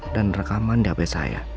dan rekaman di hp saya